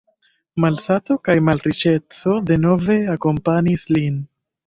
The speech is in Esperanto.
Malsato kaj malriĉeco denove akompanis lin.